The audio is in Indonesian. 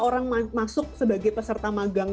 orang masuk sebagai peserta magang